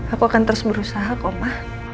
aku akan terus berusaha kok ma